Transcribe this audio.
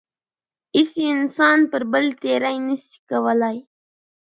هیڅ انسان پر بل تېرۍ نشي کولای.